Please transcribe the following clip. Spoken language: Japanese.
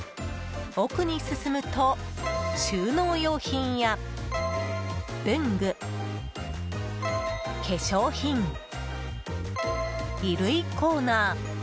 奥に進むと収納用品や文具、化粧品、衣類コーナー。